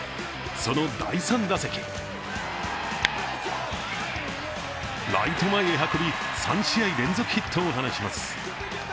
その第３打席、ライト前へ運び、３試合連続ヒットを放ちます。